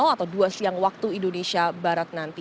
atau dua siang waktu indonesia barat nanti